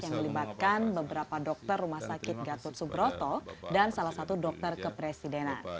yang melibatkan beberapa dokter rumah sakit gatot subroto dan salah satu dokter kepresidenan